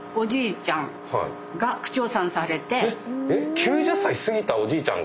９０歳過ぎたおじいちゃんが？